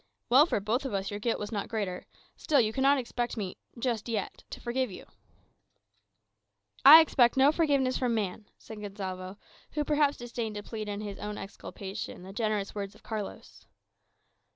"Well for both of us your guilt was not greater. Still, you cannot expect me just yet to forgive you." "I expect no forgiveness from man," said Gonsalvo, who perhaps disdained to plead in his own exculpation the generous words of Carlos.